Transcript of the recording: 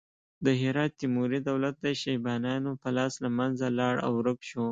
د هرات تیموري دولت د شیبانیانو په لاس له منځه لاړ او ورک شو.